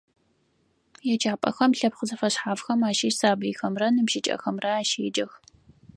Еджапӏэхэм лъэпкъ зэфэшъхьафхэм ащыщ сабыйхэмрэ ныбжьыкӏэхэмрэ ащеджэх.